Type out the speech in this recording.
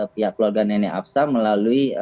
pihak keluarga nenek afsa melalui